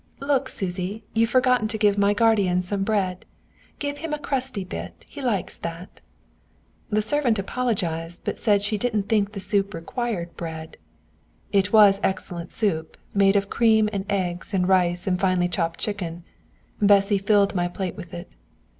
"Look, Susy, you've forgotten to give my guardian some bread! Give him a crusty bit, he likes that!" The servant apologised, but said that she didn't think the soup required bread. It was excellent soup, made of cream and eggs and rice and finely chopped chicken. Bessy filled my plate with it.